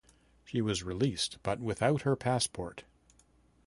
She was released but without her passport.